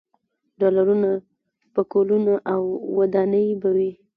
ډالرونه، پکولونه او ودانۍ به وي.